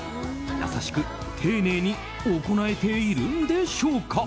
優しく丁寧に行えているんでしょうか。